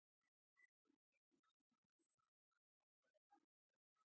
لاسونه د لمري تودوخه احساسوي